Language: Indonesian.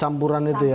campuran itu ya